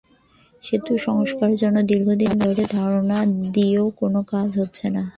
সেতু সংস্কারের জন্য দীর্ঘদিন ধরে ধরনা দিয়েও কোনো কাজ হচ্ছে না।